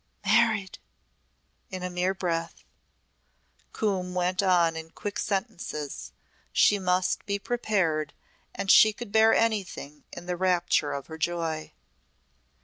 "Married!" in a mere breath. Coombe went on in quick sentences. She must be prepared and she could bear anything in the rapture of her joy.